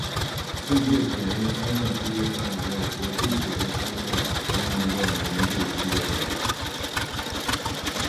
世界铁人三项系列赛为国际铁人三项联盟的年度系列赛事。